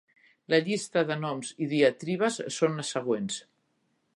La llista de noms i diatribes són les següents.